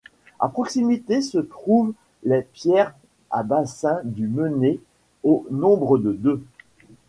À proximité, se trouvent les pierres à bassin du Mené au nombre de deux.